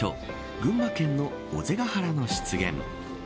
群馬県の尾瀬ヶ原の湿原。